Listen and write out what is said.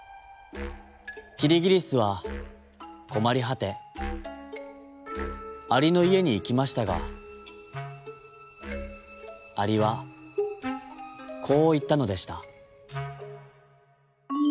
キリギリスはこまりはてアリのいえにいきましたがアリはこういったのでした。